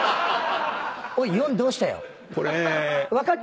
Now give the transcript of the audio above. おい４どうしたよ？